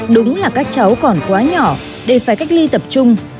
đúng là các cháu còn quá nhỏ để phải cách ly tập trung